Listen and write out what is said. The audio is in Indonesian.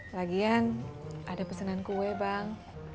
lagian ada pesanan kue bang